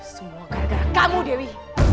semua gara gara kamu dewi